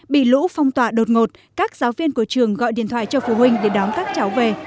bị lũ phong tỏa đột ngột các giáo viên của trường gọi điện thoại cho phụ huynh để đón các cháu về